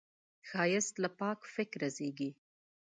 ښایست له پاک فکره زېږي